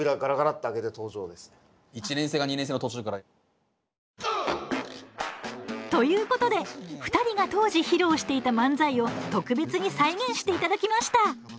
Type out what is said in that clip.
１年生か２年生の途中から。ということで２人が当時披露していた漫才を特別に再現して頂きました！